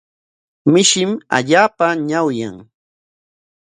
Mishim allaapa ñawyan.